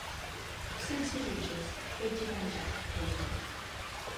Setze jutges, fetge i penjat —resumeix.